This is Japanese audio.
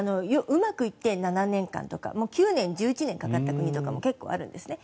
うまくいって７年間とか９年、１１年かかった国とかも結構あるんです。